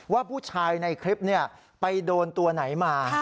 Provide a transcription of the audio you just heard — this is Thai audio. ว่าผู้ชายในคลิปไปโดนตัวไหนมา